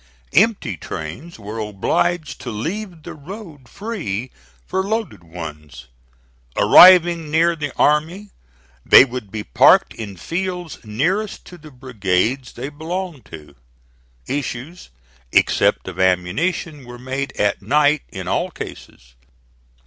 Empty trains were obliged to leave the road free for loaded ones. Arriving near the army they would be parked in fields nearest to the brigades they belonged to. Issues, except of ammunition, were made at night in all cases.